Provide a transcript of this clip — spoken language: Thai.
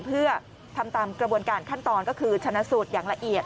เพื่อทำตามกระบวนการขั้นตอนก็คือชนะสูตรอย่างละเอียด